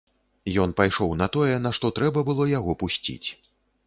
Ён пайшоў на тое, на што трэба было яго пусціць.